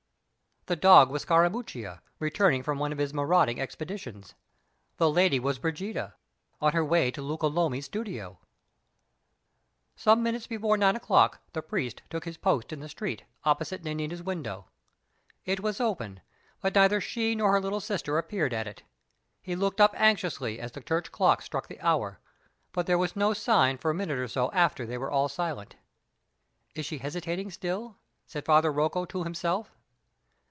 The dog was Scarammuccia, returning from one of his marauding expeditions The lady was Brigida, on her way to Luca Lomi's studio. Some minutes before nine o'clock the priest took his post in the street, opposite Nanina's window. It was open; but neither she nor her little sister appeared at it. He looked up anxiously as the church clocks struck the hour; but there was no sign for a minute or so after they were all silent. "Is she hesitating still?" said Father Rocco to himself.